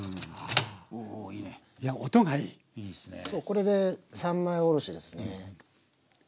これで三枚おろしですね。